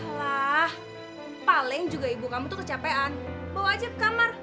wah paling juga ibu kamu tuh kecapean bawa aja ke kamar